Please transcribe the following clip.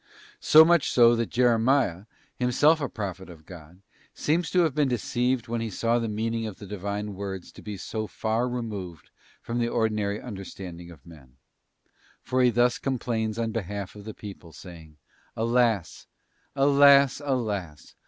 So much so that Jeremias, him self a Prophet of God, seems to have been deceived when he saw the meaning of the Divine words to be so far removed 5. Je from the ordinary understanding of men; for he thus com plains on behalf of the people, saying, ' Alas, alas, alas!